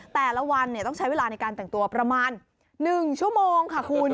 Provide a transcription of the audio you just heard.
แต่ละวันต้องใช้เวลาในการแต่งตัวประมาณ๑ชั่วโมงค่ะคุณ